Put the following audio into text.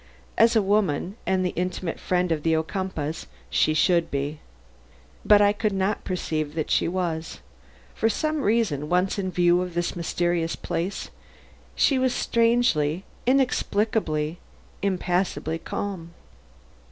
As a woman, and the intimate friend of the Ocumpaughs, she should be. But I could not perceive that she was. For some reason, once in view of this mysterious place, she was strangely, inexplicably, impassibly calm.